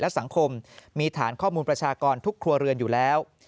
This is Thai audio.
สังคมมีฐานข้อมูลประชากรทุกครัวเรือนอยู่แล้ว